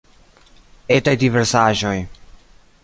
Etaj diversaĵoj.